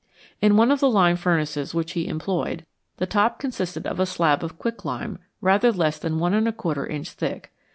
In one of the lime furnaces which he employed, the top consisted of a slab of quicklime rather less than 1J inch thick.